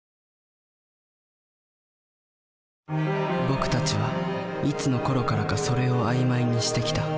僕たちはいつのころからか「それ」を曖昧にしてきた。